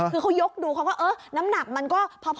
คือเขายกดูเขาก็เออน้ำหนักมันก็พอ